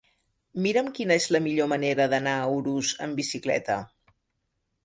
Mira'm quina és la millor manera d'anar a Urús amb bicicleta.